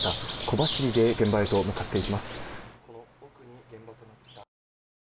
小走りで現場へと向かっていきます。